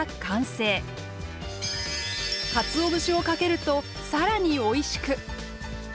かつお節をかけると更においしく。